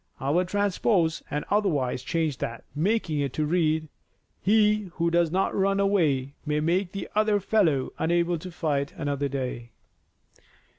I will transpose and otherwise change that, making it to read: He who does not run away may make the other fellow unable to fight another day."